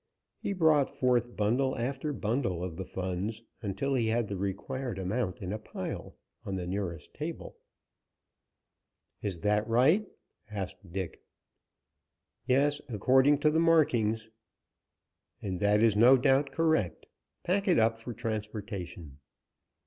He brought forth bundle after bundle of the funds, until he had the required amount in a pile on the nearest table. "Is that right?" asked Dick. "Yes, according to the markings." "And that is no doubt correct. Pack it up for transportation."